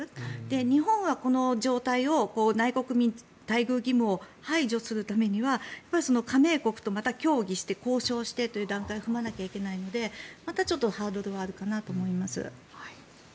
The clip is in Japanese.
日本はこの状態を内国民待遇義務を排除するためには加盟国と協議して交渉してという段階を踏まなければいけないのでまたちょっとハードルがあるかなと思います。